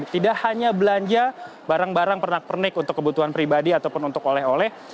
tidak hanya belanja barang barang pernak pernik untuk kebutuhan pribadi ataupun untuk oleh oleh